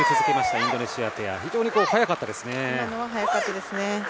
今のは速かったですね。